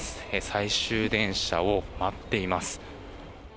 最終電車を待っています。